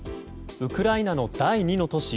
ウクライナの第２の都市